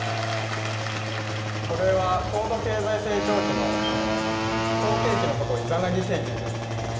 これは高度経済成長期のあの好景気のことをいざなぎ景気って呼んでたんですね